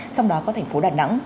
trong đó có thành phố đà nẵng